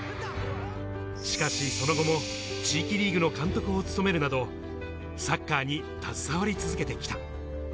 しかし、その後も地域リーグの監督を務めるなど、サッカーに携わり続けてきた。